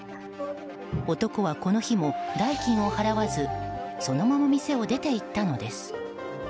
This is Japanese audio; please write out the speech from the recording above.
男は、この日も代金を払わずそのまま店を出ていったのです。